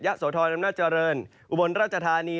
ยะสโทรนำนาจริงอุบลราชธานี